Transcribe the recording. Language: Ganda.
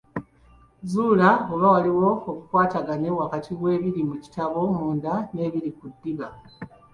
Zuula oba waliwo obukwatane wakati w’ebiri mu kitabo munda n’ebiri ku ddiba.